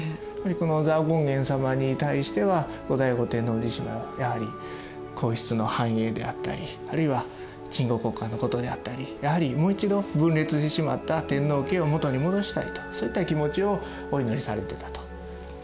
この蔵王権現様に対しては後醍醐天皇自身もやはり皇室の繁栄であったりあるいは鎮護国家のことであったりやはりもう一度分裂してしまった天皇家を元に戻したいとそういった気持ちをお祈りされてたと。